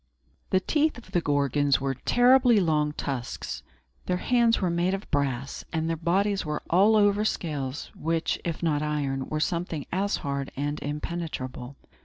The teeth of the Gorgons were terribly long tusks; their hands were made of brass; and their bodies were all over scales, which, if not iron, were something as hard and impenetrable.